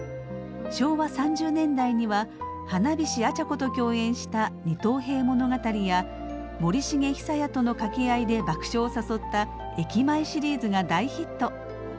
昭和３０年代には花菱アチャコと共演した「二等兵物語」や森繁久彌との掛け合いで爆笑を誘った「駅前シリーズ」が大ヒット。